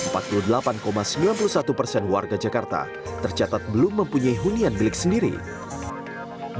empat puluh delapan sembilan puluh satu persen warga jakarta tercatat belum mempunyai hunian bilik sendiri